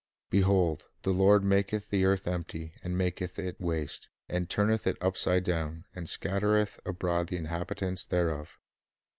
"Behold, the Lord maketh the earth empty, and maketh it waste, and turneth it upside down, and scat tereth abroad the inhabitants thereof